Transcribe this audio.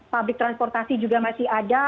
public transportasi juga masih ada